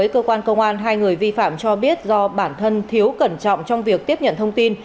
cơ quan công an hai người vi phạm cho biết do bản thân thiếu cẩn trọng trong việc tiếp nhận thông tin